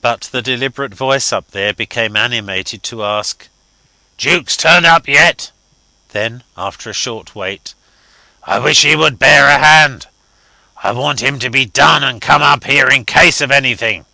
But the deliberate voice up there became animated to ask: "Jukes turned up yet?" Then, after a short wait, "I wish he would bear a hand. I want him to be done and come up here in case of anything.